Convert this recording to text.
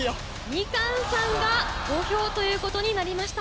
みかんさんが５票ということになりました。